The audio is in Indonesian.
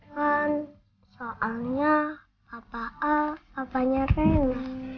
kan soalnya apa a apanya rena